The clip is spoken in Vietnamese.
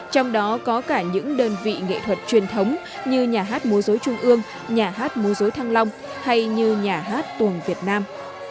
trong đó có cả những đơn vị nghệ thuật truyền thống như nhà hát múa dối trung ương nhà hát múa dối thăng long hay như nhà hát tuồng việt nam